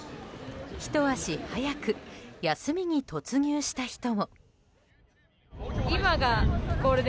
ひと足早く休みに突入した人も。